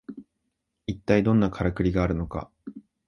いったいどんなカラクリがあるのか